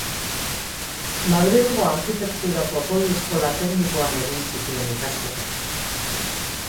Madrilgo Arkitekturako Goi Eskola Teknikoan egin zituen ikasketak.